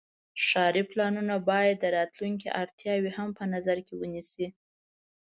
ښاري پلانونه باید د راتلونکي اړتیاوې هم په نظر کې ونیسي.